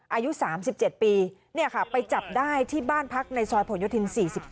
อายุ๓๗ปีไปจับได้ที่บ้านพักในซอยผลโยธิน๔๗